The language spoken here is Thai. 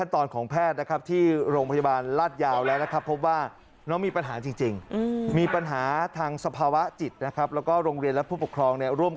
แต่ถ้าอาจารย์คนไหนคุยกับแกถูกพอ